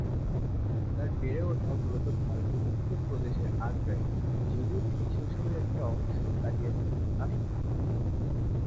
তাঁর বেড়ে ওঠা মূলত ভারতের উত্তরপ্রদেশের আগ্রায়, যদিও তিনি শৈশবের একটা অংশ কাটিয়েছেন আসামে।